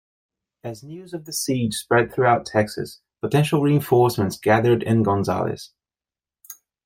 As news of the siege spread throughout Texas, potential reinforcements gathered in Gonzales.